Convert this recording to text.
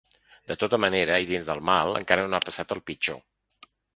De tota manera, i dins del mal, encara no ha passat el pitjor.